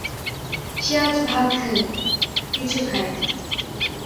সে আজ ভাত খায়নি, কিছু খায়নি।